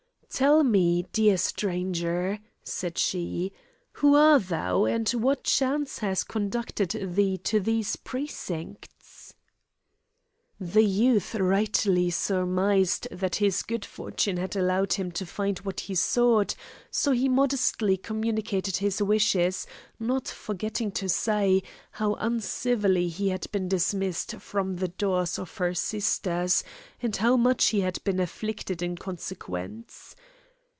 "Tell me, dear stranger," said she, "who are thou, and what chance has conducted thee to these precincts?" The youth rightly surmised that his good fortune had allowed him to find what he sought, so he modestly communicated his wishes, not forgetting to say, how uncivilly he had been dismissed from the doors of her sisters, and how much he had been afflicted in consequence.